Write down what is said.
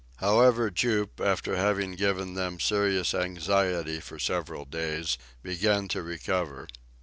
However, Jup, after having given them serious anxiety for several days, began to recover.